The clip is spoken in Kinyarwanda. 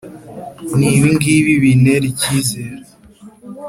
n’ibi ngibi bintera icyizere: